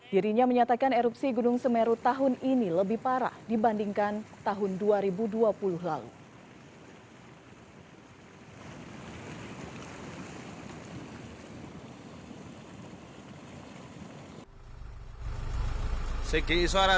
dirinya menyatakan erupsi gunung semeru tahun ini lebih parah dibandingkan tahun dua ribu dua puluh lalu